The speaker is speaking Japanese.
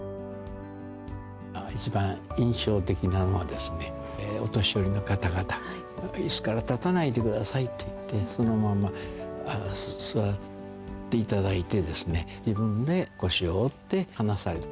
一番印象的なのはですね、お年寄りの方々に、いすから立たないでくださいと言って、そのまま座っていただいて、自分で腰を折って話されて。